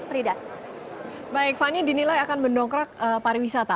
baik fani dinilai akan mendongkrak pariwisata